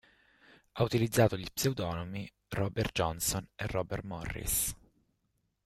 Ha utilizzato gli pseudonimi Robert Johnson e Robert Morris.